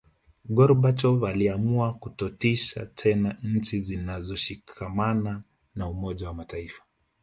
Gorbachov aliamua kutotisha tena nchi zilizoshikamana na Umoja wa mataifa